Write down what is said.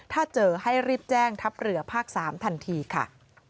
ถ้าเจอให้รีบแจ้งทัพเรือภาค๓ทันทีค่ะ